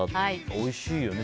おいしいよね。